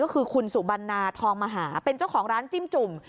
ก็คือคุณสุบันนาทองมหาเป็นเจ้าของร้านจิ้มจุ่ม